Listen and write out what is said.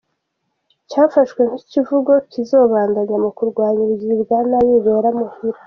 Cafashwe nk'icivugo kizobandanya mu kurwanya ubugizi bwa nabi bubera muhira.